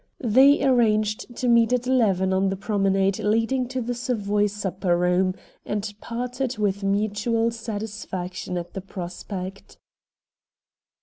They arranged to meet at eleven on the promenade leading to the Savoy supper room, and parted with mutual satisfaction at the prospect.